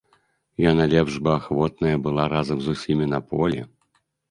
Яна лепш бы ахвотная была разам з усімі на полі.